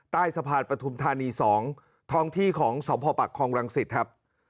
ใต้สะพานปฐุมธานี๒ทองที่ของสมภปรักษณ์คลองรังศิษย์ครับ